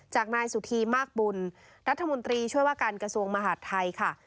จากนายสุธีมากบุญรัฐมนตรีช่วยว่าการกระทรวงมหาดไทยค่ะ